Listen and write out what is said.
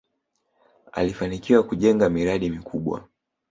alifanikiwa kujenga miradi mikubwa